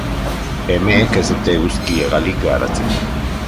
Emeek ez dute uzki-hegalik garatzen.